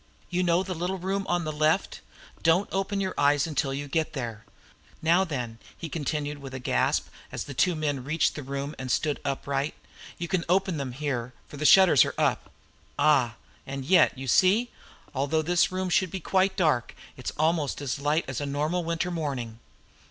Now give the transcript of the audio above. You know the little room on the left? Don't open your eyes until you get in there. Now, then," he continued, with a gasp, as the two men reached the room and stood upright, "you can open them here, for the shutters are up. Ah! And yet, you see, although this room should be quite dark, it's almost as light as a normal winter morning."